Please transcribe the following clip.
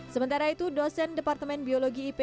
sementara itu dosen departemen biologi ip